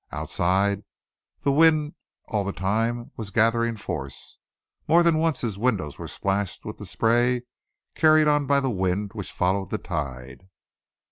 Outside, the wind all the time was gathering force. More than once his window was splashed with the spray carried on by the wind which followed the tide.